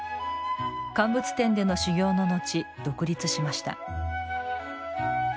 乾物店での修業の後独立しました。